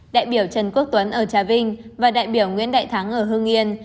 đại biểu trần quốc tuấn ở trà vinh và đại biểu nguyễn đại thắng ở hương yên